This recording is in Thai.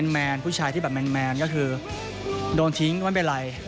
แมนผู้ชายที่แบบแมนก็คือโดนทิ้งไม่เป็นไร